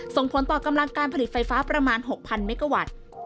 ส่งผลต่อกำลังการผลิตไฟฟ้าประมาณ๖๐๐เมกาวัตต์